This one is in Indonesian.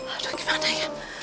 aduh gimana ya